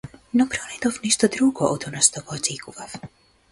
Но пронајдов нешто друго од она што го очекував.